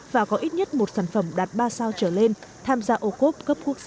và có ít nhất một sản phẩm đạt ba sao trở lên tham gia ocope cấp quốc gia